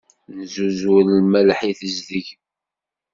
Nezzuzur lmelḥ i tezdeg.